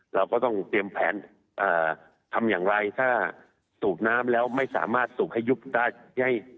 เราก็ต้องเตรียมแผนทำอย่างไรถ้าสูบน้ำแล้วไม่สามารถสูบให้ยุบได้